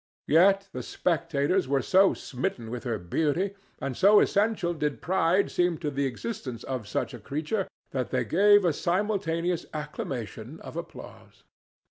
Yet the spectators were so smitten with her beauty, and so essential did pride seem to the existence of such a creature, that they gave a simultaneous acclamation of applause.